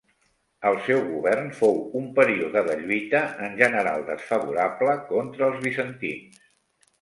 El seu govern fou un període de lluita, en general desfavorable, contra els bizantins.